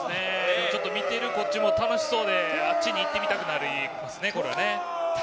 見ているこっちも楽しそうであっちに行ってみたくなりますね。